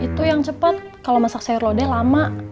itu yang cepet kalau masak sayur laude lama